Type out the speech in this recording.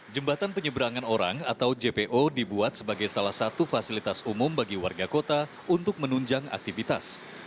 jembatan penyeberangan orang atau jpo dibuat sebagai salah satu fasilitas umum bagi warga kota untuk menunjang aktivitas